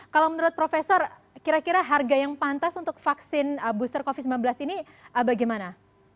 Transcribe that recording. kalau menurut profesor kira kira harga yang pantas untuk vaksin booster covid sembilan belas ini bagaimana